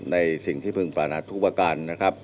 ในสิ่งที่พึงปราณัททุกประการ